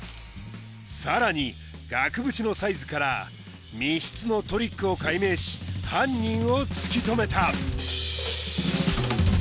さらに額縁のサイズから密室のトリックを解明し犯人を突き止めた！